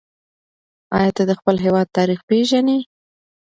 آیا ته د خپل هېواد تاریخ پېژنې؟